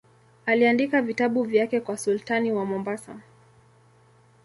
Aliandika vitabu vyake kwa sultani wa Mombasa.